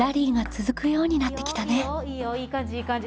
いい感じいい感じ。